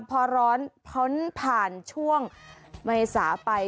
พอร้อนพ้นผ่านช่วงเมษาไป